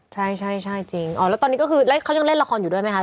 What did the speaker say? ใช่ใช่จริงอ๋อแล้วตอนนี้ก็คือแล้วเขายังเล่นละครอยู่ด้วยไหมคะ